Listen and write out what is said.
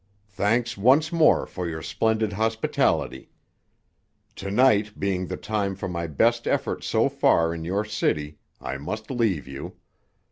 "Thanks once more for your splendid hospitality. To night being the time for my best effort so far in your city, I must leave you.